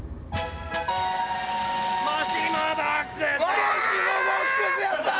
もしもボックスやった！